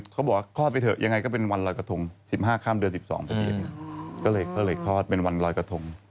เป็นช่วงเวลาอะไรแบบนี้เป็นช่วงเวลา